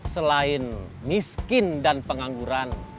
selain miskin dan pengangguran